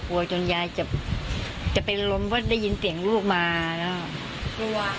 กลัวจนยายจะเป็นลมว่าได้ยินเสียงลูกมานะ